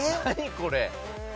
これ。